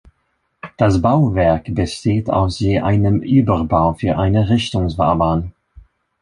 Das Bauwerk besteht aus je einem Überbau für eine Richtungsfahrbahn.